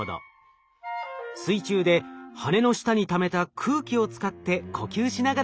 水中で羽の下にためた空気を使って呼吸しながら暮らしています。